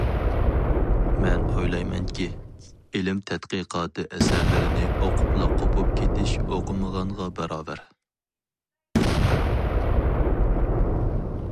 مەن ئويلايمەنكى، ئىلىم تەتقىقاتى ئەسەرلىرىنى ئوقۇپلا قوپۇپ كېتىش ئوقۇمىغانغا باراۋەر.